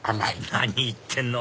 何言ってんの？